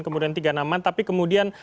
kemudian tiga nama tapi kemudian